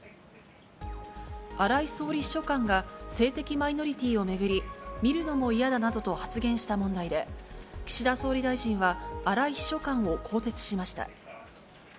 荒井総理秘書官が、性的マイノリティを巡り、見るのも嫌だなどと、発言した問題で、岸田総理大臣は荒井秘書官を更迭しました。